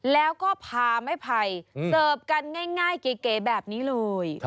แล้วก็พาไม้ไผ่เสิร์ฟกันง่ายเก๋แบบนี้เลย